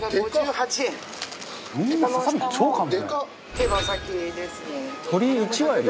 手羽先ですね。